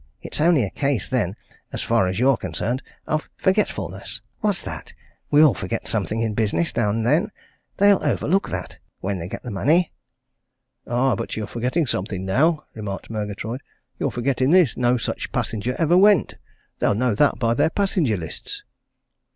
It's only a case then as far as you're concerned of forgetfulness. What's that? we all forget something in business, now and then. They'll overlook that when they get the money." "Aye, but you're forgetting something now!" remarked Murgatroyd. "You're forgetting this no such passenger ever went! They'll know that by their passenger lists."